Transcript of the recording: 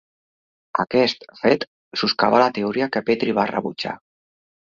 Aquest fet soscavar la teoria que Petri va rebutjar.